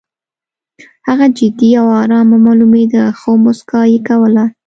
هغه جدي او ارامه معلومېده خو موسکا یې کوله